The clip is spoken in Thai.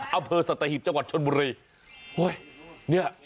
อำเภอสัตหีพจังหวัดชนบุรี